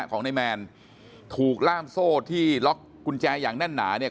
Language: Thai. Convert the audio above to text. ของนายแมนถูกล่ามโซ่ที่ล็อกกุญแจอย่างแน่นหนาเนี่ย